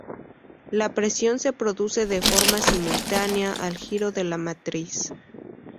La presión se produce de forma simultánea al giro de la matriz.